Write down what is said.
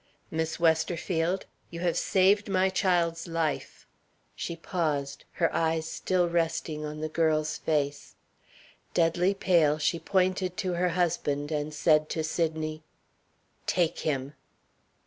"Miss Westerfield, you have saved my child's life." She paused her eyes still resting on the girl's face. Deadly pale, she pointed to her husband, and said to Sydney: "Take him!"